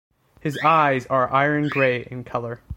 His eyes are iron-gray in color.